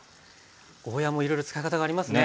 ゴーヤーもいろいろ使い方がありますね。